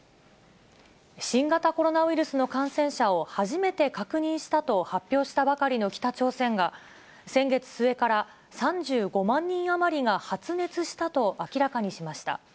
新型コロナウイルスの感染者を初めて確認したと発表したばかりの北朝鮮が、先月末から３５万人余りが発熱したと明らかにしました。